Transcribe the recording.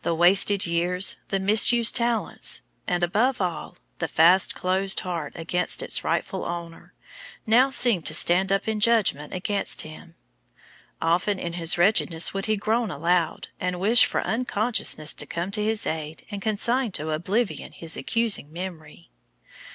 The wasted years, the misused talents, and above all, the fast closed heart against its rightful Owner, now seemed to stand up in judgment against him. Often in his wretchedness would he groan aloud, and wish for unconsciousness to come to his aid and consign to oblivion his accusing memory.